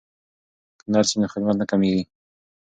که نرس وي نو خدمت نه کمیږي.